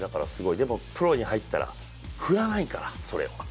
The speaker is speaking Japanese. でもプロに入ったら、それ振らないから。